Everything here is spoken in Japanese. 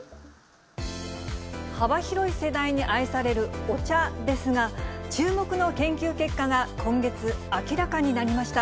幅広い世代に愛されるお茶ですが、注目の研究結果が今月、明らかになりました。